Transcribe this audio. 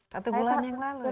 satu bulan yang lalu